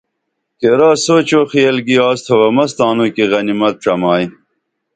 کیرا سوچ و خِیل گی آڅتُھوبہ مس تانوں کی غنیمت ڇمائی